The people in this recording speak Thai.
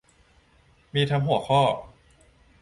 มีทั้งหัวข้อ